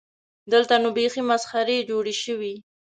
دلته نو بیخي مسخرې جوړې شوې.